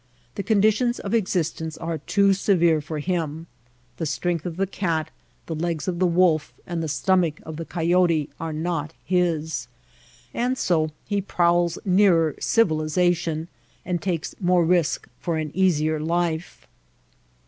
The conditions of existence are too severe for him. The strength of the cat, the legs of the wolf, and the stomach of the coyote are not his ; and so he prowls nearer civilization and takes more risk for an easier life.